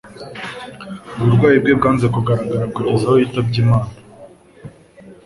uburwayi bwe bwanze kugaragara kugeza aho yitabye Imana